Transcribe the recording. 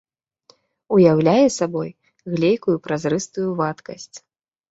Уяўляе сабой глейкую празрыстую вадкасць.